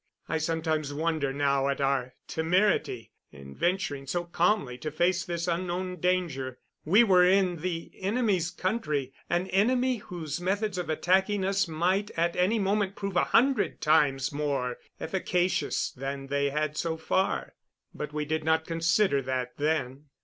I sometimes wonder now at our temerity in venturing so calmly to face this unknown danger. We were in the enemy's country an enemy whose methods of attacking us might at any moment prove a hundred times more efficacious than they had so far. But we did not consider that then.